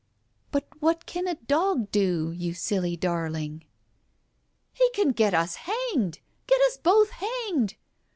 " But what can a dog do, you silly darling ?" "He can get us hanged! Get us both hanged!